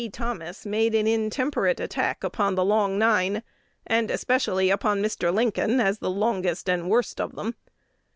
Thomas made an intemperate attack upon the "Long Nine," and especially upon Mr. Lincoln, as the longest and worst of them.